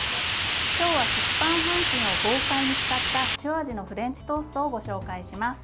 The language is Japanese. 今日は食パン半斤を豪快に使った塩味のフレンチトーストをご紹介します。